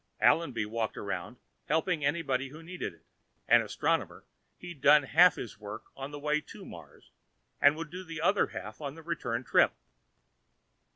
Allenby walked around, helping anybody who needed it. An astronomer, he'd done half his work on the way to Mars and would do the other half on the return trip.